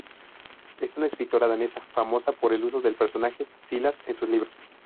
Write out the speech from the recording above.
Es una escritora danesa, famosa por el uso del personaje "Silas" en sus libros.